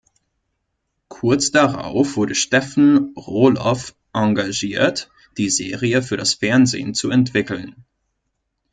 Kurz darauf wurde Stephen Roloff engagiert, die Serie für das Fernsehen zu entwickeln.